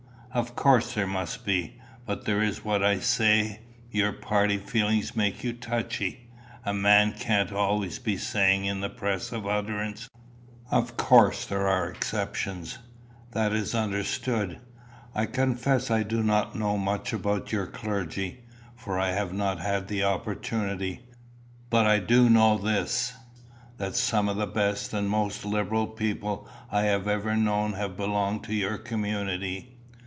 "Of course there must be. But there is what I say your party feeling makes you touchy. A man can't always be saying in the press of utterance, 'Of course there are exceptions.' That is understood. I confess I do not know much about your clergy, for I have not had the opportunity. But I do know this, that some of the best and most liberal people I have ever known have belonged to your community."